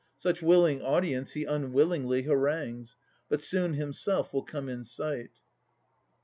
Such willing audience he unwillingly Harangues, but soon himself will come in sight.